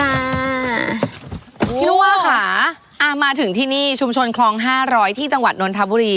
อ่าพี่ลูกว่าค่ะอ่ามาถึงที่นี่ชุมชนคลองห้าร้อยที่จังหวัดนทบุรี